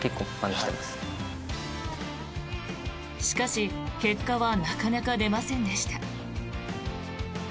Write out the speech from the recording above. しかし、結果はなかなか出ませんでした。